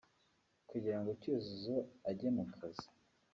Kugira ngo Cyuzuzo ajye ku kazi